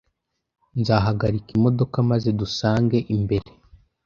Nzahagarika imodoka maze dusange imbere .